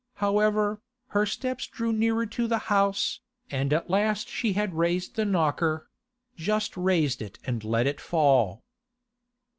However, her steps drew nearer to the house, and at last she had raised the knocker—just raised it and let it fall.